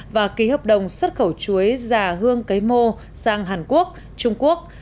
và ký hợp đồng xuất khẩu chuối giả hương cấy mô sang hàn quốc trung quốc